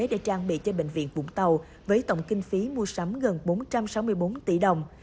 để trang bị cho bệnh viện vũng tàu với tổng kinh phí mua sắm gần bốn trăm sáu mươi bốn tỷ đồng